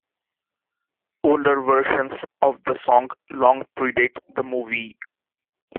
Older versions of the song long predate the movie.